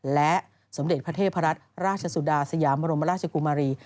และสมเด็จพระเทพรัตน์ราชสุดาสยามบรมราชกุมารี